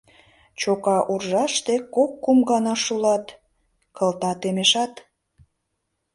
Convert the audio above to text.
Чока уржаште кок-кум гана шулат — кылта темешат.